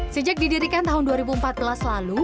sejak didirikan tahun dua ribu empat belas lalu